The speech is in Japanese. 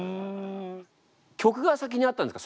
曲が先にあったんですか？